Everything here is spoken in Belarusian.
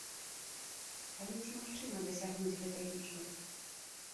Але ці магчыма дасягнуць гэтай лічбы?